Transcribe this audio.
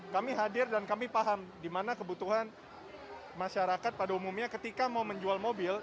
kami hadir dan kami paham di mana kebutuhan masyarakat pada umumnya ketika mau menjual mobil